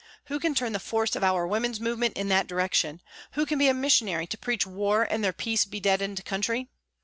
Who can turn the force of our women's movement in that direction, who can be a missionary to preach war in their peace bedeadened country